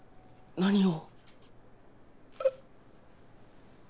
何を。